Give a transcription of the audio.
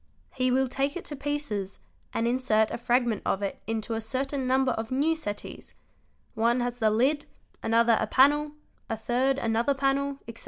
He will take it to pieces and insert a fragment of it into a certain number of new settees: one has the lid, another a panel, a third another panel, etc.